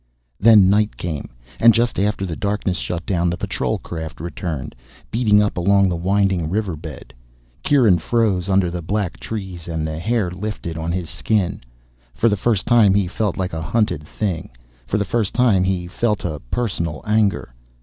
Then night came, and just after the darkness shut down the patrol craft returned, beating up along the winding river bed. Kieran froze under the black trees and the hair lifted on his skin. For the first time he felt like a hunted thing. For the first time he felt a personal anger.